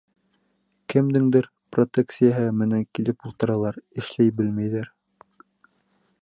Кемдеңдер протекцияһы менән килеп ултыралар, эшләй белмәйҙәр.